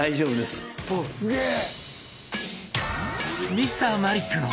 すげえ！